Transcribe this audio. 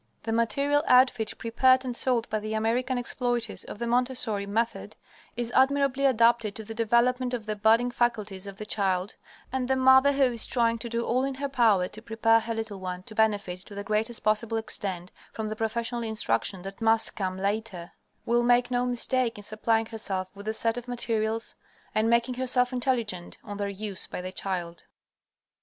The material outfit prepared and sold by the American exploiters of the Montessori method is admirably adapted to the development of the budding faculties of the child, and the mother who is trying to do all in her power to prepare her little one to benefit to the greatest possible extent from the professional instruction that must come later, will make no mistake in supplying herself with the set of materials, and making herself intelligent on their use by the child.